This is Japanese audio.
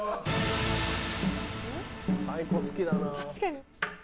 太鼓好きだな。